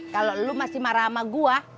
kalo lu masih marah sama gua